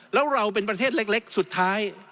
แล้วเราเป็นประเทศเล็กสุดท้าย